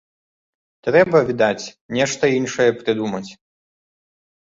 Трэба, відаць, нешта іншае прыдумаць.